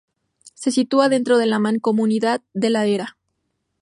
Se sitúa dentro de la mancomunidad de La Vera.